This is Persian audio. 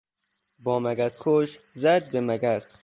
با مگس کش زد به مگس.